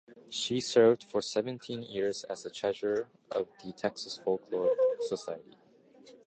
She served for seventeen years as the treasurer of the Texas Folklore Society.